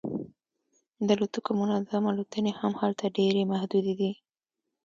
د الوتکو منظم الوتنې هم هلته ډیرې محدودې دي